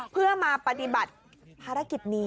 เพื่อมาปฏิบัติภารกิจนี้